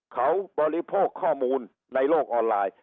เขาบริโภคข้อมูลในโลกออนไลน์